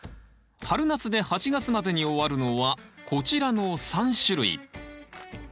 春夏で８月までに終わるのはこちらの３種類。